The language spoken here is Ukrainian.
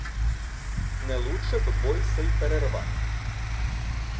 Не лучше б бой сей перервать.